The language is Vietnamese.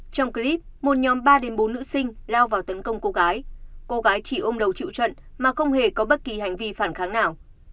trong clip một nhóm ba bốn nữ sinh lao vào tấn công cô gái cô gái chỉ ôm đầu chịu trận mà không hề có bất kỳ hành vi phản kháng nào